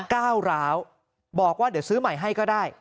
ก้าวร้าวบอกว่าเดี๋ยวซื้อใหม่ให้ก็ได้